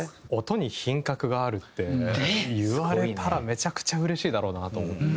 「音に品格がある」って言われたらめちゃくちゃうれしいだろうなと思って。